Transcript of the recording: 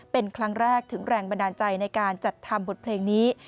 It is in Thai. เป็นครั้งแรกถึงแรงบันดาลใจในการจัดทำบทเพลงนี้